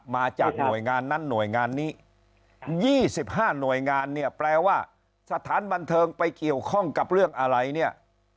มาจากหน่วยงานนั้นหน่วยงานนี้๒๕หน่วยงานเนี่ยแปลว่าสถานบันเทิงไปเกี่ยวข้องกับเรื่องอะไรเนี่ย